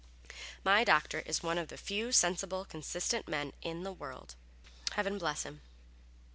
My doctor is one of the few sensible, consistent men in the world; heaven bless him!